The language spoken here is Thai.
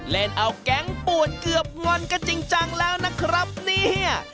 เล่นเอาแก๊งปวดเกือบงอนกันจริงจังแล้วนะครับเนี่ย